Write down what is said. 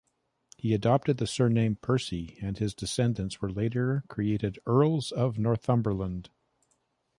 He adopted the surname Percy and his descendants were later created Earls of Northumberland.